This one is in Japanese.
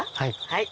はい。